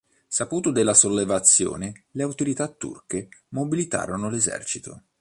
Saputo della sollevazione, le autorità turche mobilitarono l'esercito.